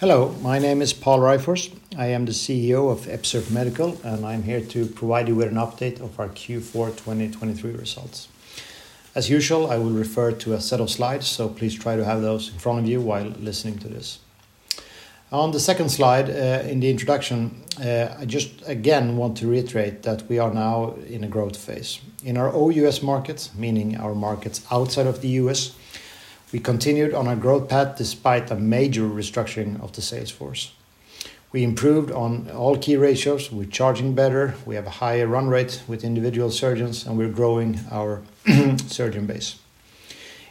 Hello, my name is Pål Ryfors. I am the CEO of Episurf Medical, and I'm here to provide you with an update of our Q4 2023 results. As usual, I will refer to a set of slides, so please try to have those in front of you while listening to this. On the second slide, in the introduction, I just again want to reiterate that we are now in a growth phase. In our OUS markets, meaning our markets outside of the U.S., we continued on our growth path despite a major restructuring of the sales force. We improved on all key ratios. We're charging better. We have a higher run rate with individual surgeons, and we're growing our surgeon base.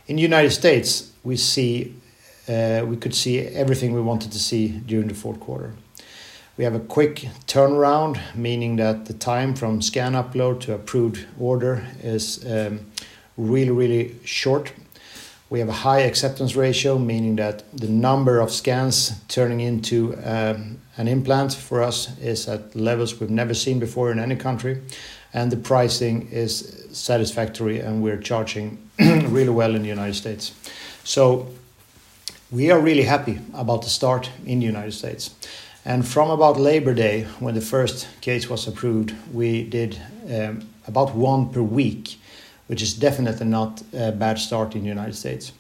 In the United States, we could see everything we wanted to see during the fourth quarter. We have a quick turnaround, meaning that the time from scan upload to approved order is really, really short. We have a high acceptance ratio, meaning that the number of scans turning into an implant for us is at levels we've never seen before in any country, and the pricing is satisfactory, and we're charging really well in the United States. We are really happy about the start in the United States. From about Labor Day, when the first case was approved, we did about one per week, which is definitely not a bad start in the United States.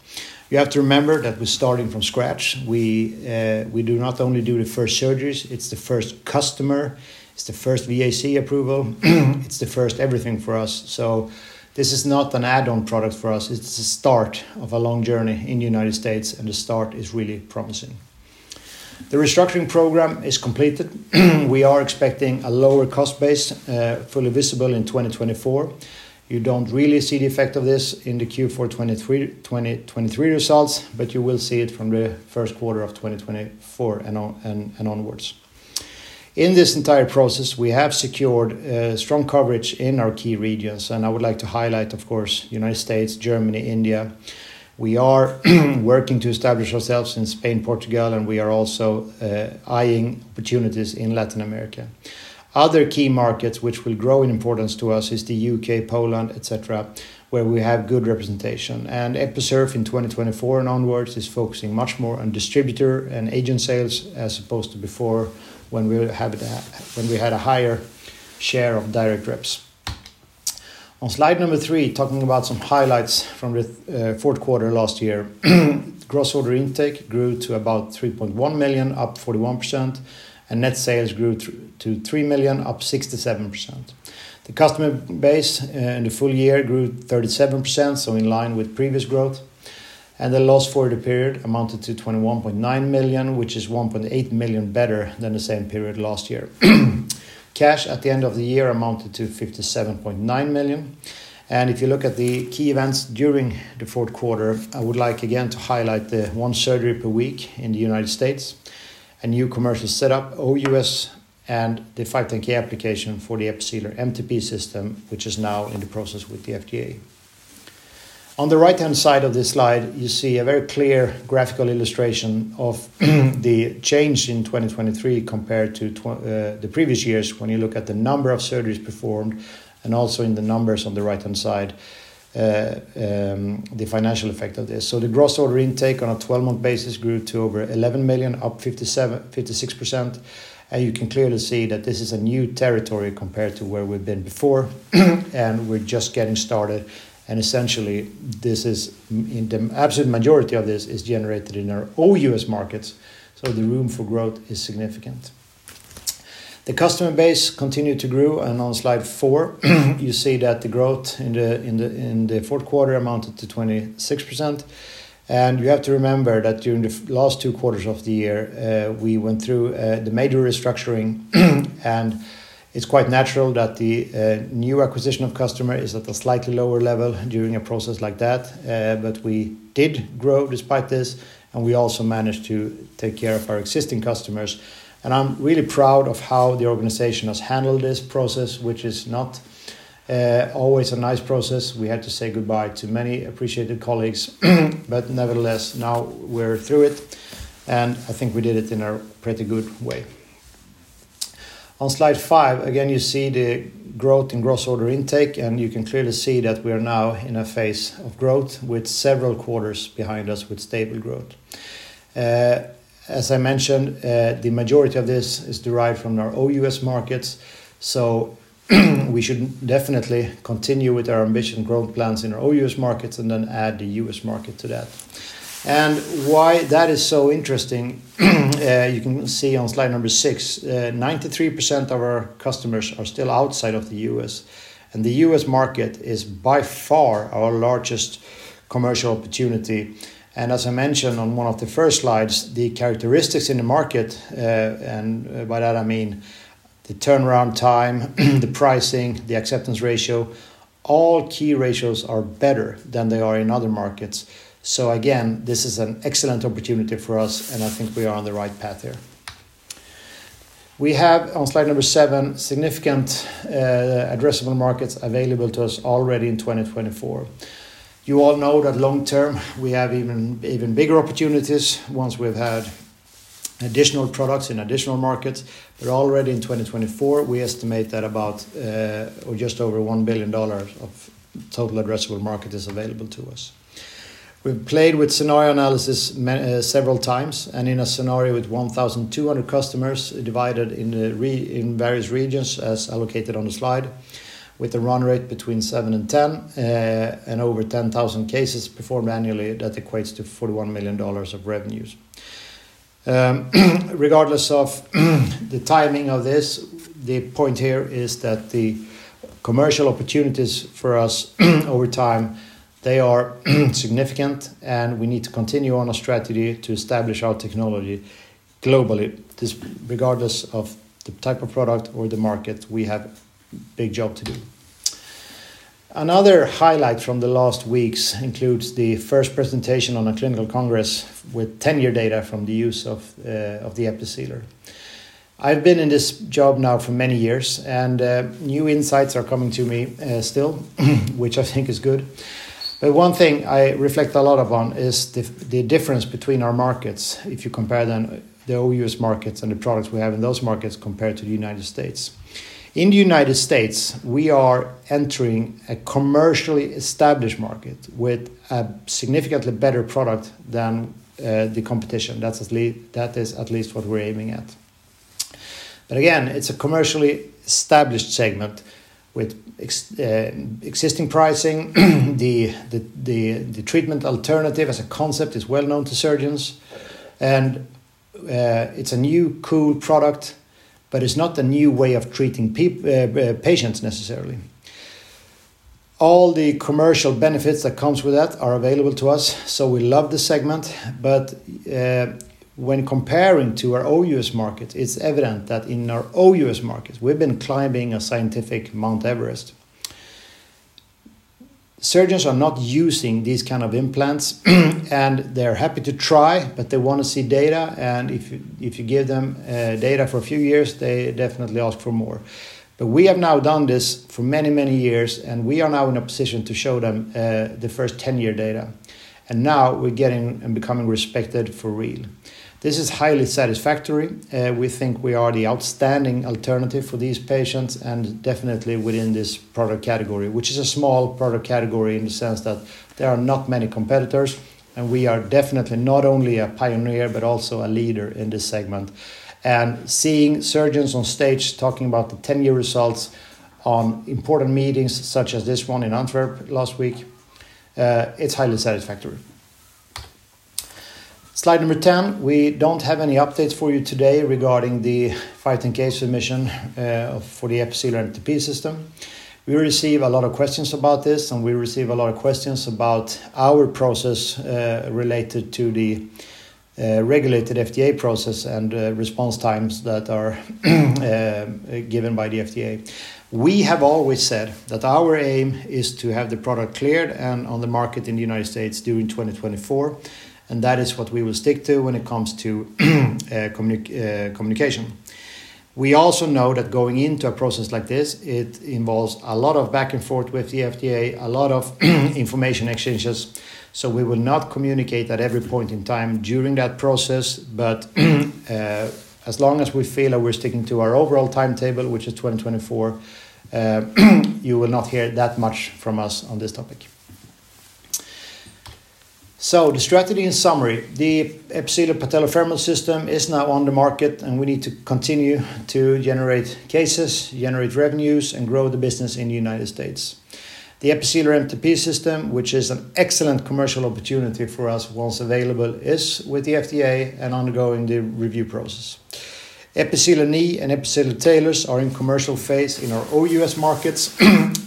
You have to remember that we're starting from scratch. We do not only do the first surgeries. It's the first customer. It's the first VAC approval. It's the first everything for us. This is not an add-on product for us. It's the start of a long journey in the United States, and the start is really promising. The restructuring program is completed. We are expecting a lower cost base, fully visible in 2024. You don't really see the effect of this in the Q4 2023 results, but you will see it from the first quarter of 2024 and onwards. In this entire process, we have secured strong coverage in our key regions, and I would like to highlight, of course, the United States, Germany, India. We are working to establish ourselves in Spain, Portugal, and we are also eyeing opportunities in Latin America. Other key markets which will grow in importance to us are the U.K., Poland, etc., where we have good representation. Episurf, in 2024 and onwards, is focusing much more on distributor and agent sales as opposed to before when we had a higher share of direct reps. On slide number three, talking about some highlights from the fourth quarter last year, gross order intake grew to about 3.1 million, up 41%, and net sales grew to 3 million, up 67%. The customer base in the full year grew 37%, so in line with previous growth. And the loss for the period amounted to 21.9 million, which is 1.8 million better than the same period last year. Cash at the end of the year amounted to 57.9 million. If you look at the key events during the fourth quarter, I would like, again, to highlight the one surgery per week in the United States, a new commercial setup, OUS, and the 510(k) application for the Episealer MTP System, which is now in the process with the FDA. On the right-hand side of this slide, you see a very clear graphical illustration of the change in 2023 compared to the previous years when you look at the number of surgeries performed and also in the numbers on the right-hand side, the financial effect of this. The gross order intake on a 12-month basis grew to over 11 million, up 56%. You can clearly see that this is a new territory compared to where we've been before, and we're just getting started. Essentially, the absolute majority of this is generated in our OUS markets, so the room for growth is significant. The customer base continued to grow. On slide four, you see that the growth in the fourth quarter amounted to 26%. You have to remember that during the last two quarters of the year, we went through the major restructuring, and it's quite natural that the new acquisition of customers is at a slightly lower level during a process like that. But we did grow despite this, and we also managed to take care of our existing customers. I'm really proud of how the organization has handled this process, which is not always a nice process. We had to say goodbye to many appreciated colleagues, but nevertheless, now we're through it, and I think we did it in a pretty good way. On slide five, again, you see the growth in gross order intake, and you can clearly see that we are now in a phase of growth with several quarters behind us with stable growth. As I mentioned, the majority of this is derived from our OUS markets, so we should definitely continue with our ambitious growth plans in our OUS markets and then add the U.S. market to that. Why that is so interesting, you can see on slide number six, 93% of our customers are still outside of the U.S., and the U.S. market is by far our largest commercial opportunity. As I mentioned on one of the first slides, the characteristics in the market, and by that I mean the turnaround time, the pricing, the acceptance ratio, all key ratios are better than they are in other markets. So again, this is an excellent opportunity for us, and I think we are on the right path here. We have, on slide number seven, significant addressable markets available to us already in 2024. You all know that long-term, we have even bigger opportunities once we've had additional products in additional markets. But already in 2024, we estimate that about or just over $1 billion of total addressable market is available to us. We've played with scenario analysis several times, and in a scenario with 1,200 customers divided in various regions, as allocated on the slide, with a run rate between seven and 10 and over 10,000 cases performed annually, that equates to $41 million of revenues. Regardless of the timing of this, the point here is that the commercial opportunities for us over time, they are significant, and we need to continue on a strategy to establish our technology globally. Regardless of the type of product or the market, we have a big job to do. Another highlight from the last weeks includes the first presentation on a clinical congress with 10-year data from the use of the Episealer. I've been in this job now for many years, and new insights are coming to me still, which I think is good. But one thing I reflect a lot upon is the difference between our markets, if you compare the OUS markets and the products we have in those markets, compared to the United States. In the United States, we are entering a commercially established market with a significantly better product than the competition. That is at least what we're aiming at. But again, it's a commercially established segment with existing pricing. The treatment alternative, as a concept, is well known to surgeons, and it's a new, cool product, but it's not a new way of treating patients, necessarily. All the commercial benefits that come with that are available to us, so we love the segment. But when comparing to our OUS market, it's evident that in our OUS market, we've been climbing a scientific Mount Everest. Surgeons are not using these kinds of implants, and they're happy to try, but they want to see data. And if you give them data for a few years, they definitely ask for more. But we have now done this for many, many years, and we are now in a position to show them the first 10-year data. And now we're getting and becoming respected for real. This is highly satisfactory. We think we are the outstanding alternative for these patients and definitely within this product category, which is a small product category in the sense that there are not many competitors, and we are definitely not only a pioneer but also a leader in this segment. And seeing surgeons on stage talking about the 10-year results on important meetings, such as this one in Antwerp last week, it's highly satisfactory. Slide number 10. We don't have any updates for you today regarding the 510(k) submission for the Episealer MTP System. We receive a lot of questions about this, and we receive a lot of questions about our process related to the regulated FDA process and response times that are given by the FDA. We have always said that our aim is to have the product cleared and on the market in the United States during 2024, and that is what we will stick to when it comes to communication. We also know that going into a process like this, it involves a lot of back and forth with the FDA, a lot of information exchanges. So we will not communicate at every point in time during that process. But as long as we feel that we're sticking to our overall timetable, which is 2024, you will not hear that much from us on this topic. So the strategy, in summary, the Episealer Patellofemoral System is now on the market, and we need to continue to generate cases, generate revenues, and grow the business in the United States. The Episealer MTP System, which is an excellent commercial opportunity for us once available, is with the FDA and undergoing the review process. Episealer Knee and Episealer Talus are in commercial phase in our OUS markets,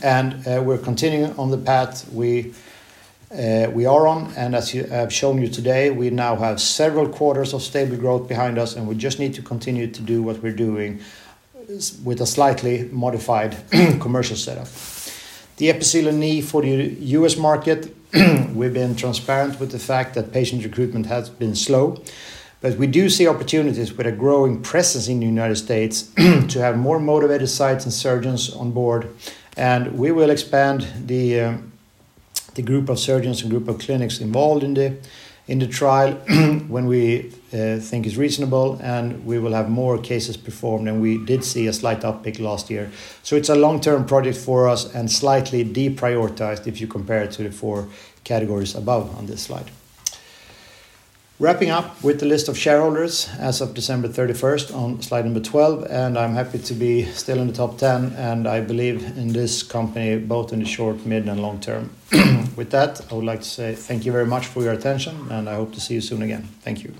and we're continuing on the path we are on. As I've shown you today, we now have several quarters of stable growth behind us, and we just need to continue to do what we're doing with a slightly modified commercial setup. The Episealer Knee for the U.S. market, we've been transparent with the fact that patient recruitment has been slow, but we do see opportunities with a growing presence in the United States to have more motivated sites and surgeons on board. We will expand the group of surgeons and group of clinics involved in the trial when we think is reasonable, and we will have more cases performed than we did see a slight uptick last year. It's a long-term project for us and slightly deprioritized if you compare it to the four categories above on this slide. Wrapping up with the list of shareholders as of December 31st on slide number 12, and I'm happy to be still in the top 10, and I believe in this company both in the short, mid, and long term. With that, I would like to say thank you very much for your attention, and I hope to see you soon again. Thank you.